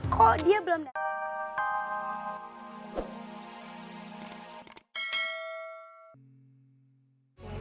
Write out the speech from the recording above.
kok dia belom dateng